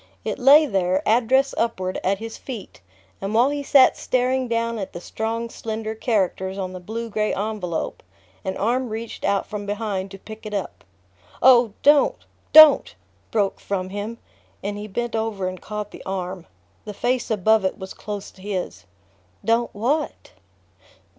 It lay there, address upward, at his feet, and while he sat staring down at the strong slender characters on the blue gray envelope an arm reached out from behind to pick it up. "Oh, don't DON'T" broke from him, and he bent over and caught the arm. The face above it was close to his. "Don't what?"